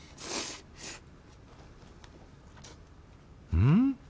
うん？